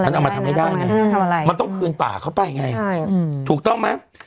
ทำอะไรไม่ได้นะทำอะไรมันต้องคืนป่าเข้าไปไงใช่ถูกต้องไหม